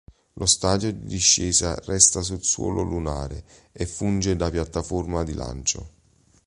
Lo stadio di discesa resta sul suolo lunare e funge da piattaforma di lancio.